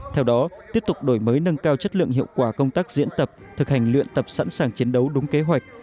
theo đó tiếp tục đổi mới nâng cao chất lượng hiệu quả công tác diễn tập thực hành luyện tập sẵn sàng chiến đấu đúng kế hoạch